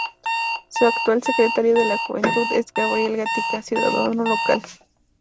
Su actual secretario de la juventud es Gabriel Gatica, ciudadano local.